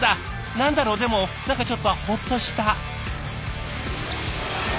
何だろうでも何かちょっとホッとした。